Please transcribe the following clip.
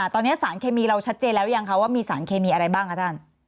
ตอนนี้สารเคมีเราชัดเจนแล้วยังคะว่ามีสารเคมีอะไรบ้างคะท่าน